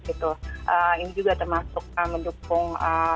ini juga termasuk mendukung